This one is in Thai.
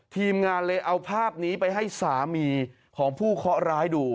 ทีมงานเลยเอาภาพนี้ไปให้สามีของผู้เคาะร้ายดู